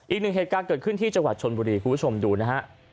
อีกหนึ่งเหตุการณ์เกิดขึ้นที่จังหวัดชนบุรีคุณผู้ชมดูนะฮะ